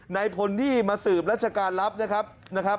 ในผลที่มาสืบราชการรับนะครับ